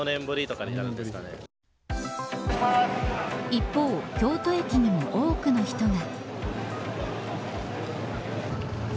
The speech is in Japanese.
一方、京都駅にも多くの人が。